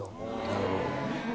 なるほど。